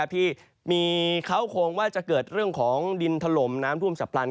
ที่เขาคงว่าจะเกิดเรื่องของดินถล่มน้ำท่วมฉับพลัน